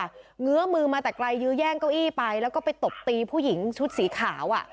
ื้อมือมาแต่ไกลยื้อแย่งเก้าอี้ไปแล้วก็ไปตบตีผู้หญิงชุดสีขาว